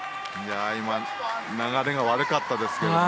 流れが悪かったですけどね。